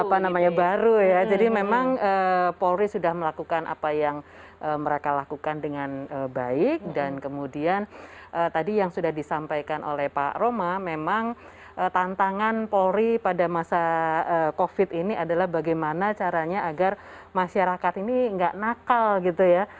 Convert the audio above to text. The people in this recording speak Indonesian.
apa namanya baru ya jadi memang polri sudah melakukan apa yang mereka lakukan dengan baik dan kemudian tadi yang sudah disampaikan oleh pak roma memang tantangan polri pada masa covid ini adalah bagaimana caranya agar masyarakat ini nggak nakal gitu ya